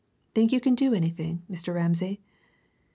Think you can do anything, Mr. Ramsay?"